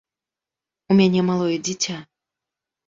У мяне малое дзіця.